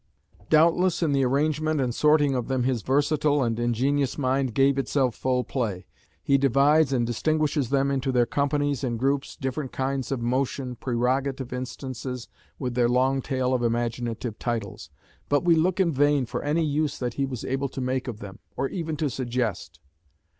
Doubtless in the arrangement and sorting of them his versatile and ingenious mind gave itself full play; he divides and distinguishes them into their companies and groups, different kinds of Motion, "Prerogative" instances, with their long tale of imaginative titles. But we look in vain for any use that he was able to make of them, or even to suggest.